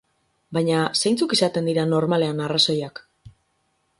Baina zeintzuk izaten dira normalean arrazoiak?